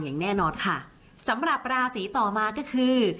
อย่างแน่นอนค่ะสำหรับราศีต่อมาก็คือ